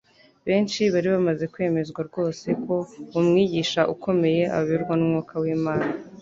Benshi bari bamaze kwemezwa rwose ko uwo Mwigisha ukomeye ayoborwa n'umwuka w'Imana